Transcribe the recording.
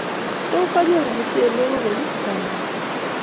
Tos, anyoru muchelek kogeny, gaigai